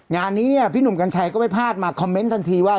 งานนี้พี่หนุ่มกัญชัยก็ไม่พลาดมาคอมเมนต์ทันทีว่า